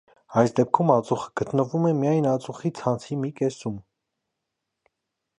Այս դեպքում ածուխը գտնվում է միայն ածուխի ցանցի մի կեսում։